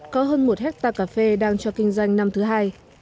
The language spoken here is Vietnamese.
có hơn một hectare cà phê đang cho kinh doanh năm thứ hai